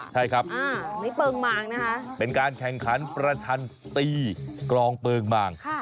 ใช่ครับเป็นการแข่งขันประชันตีกรองเปิงมาง